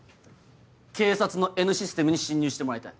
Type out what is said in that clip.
警察のＮシステムに侵入してもらいたい。